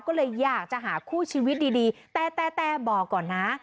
ก็เลยอยากจะหาคู่ชีวิตดีแต่แต่บอกก่อนนะ